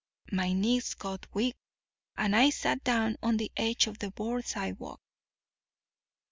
My knees got weak, and I sat down on the edge of the board sidewalk.